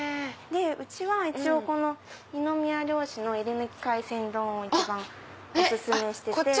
でうちは一応二宮漁師の選り抜き海鮮丼を一番お薦めしてて。